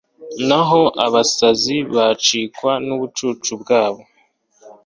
naho abasazi bakicwa n’ubucucu bwabo